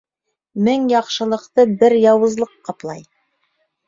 Мең яҡшылыҡты бер яуызлыҡ ҡаплай.